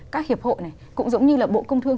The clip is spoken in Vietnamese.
các hiệp hội này cũng giống như là bộ công thương